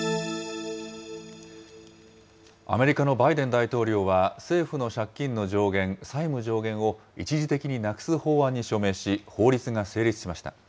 アメリカのバイデン大統領は、政府の借金の上限、債務上限を一時的になくす法案に署名し、法律が成立しました。